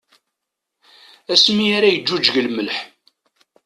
Asmi ara yeǧǧuǧǧeg lmelḥ!